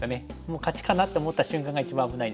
勝ちかなと思った瞬間が一番危ないんですけど。